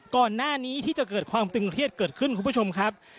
ก่อนที่จะเกิดความตึงเครียดเกิดขึ้นคุณผู้ชมครับ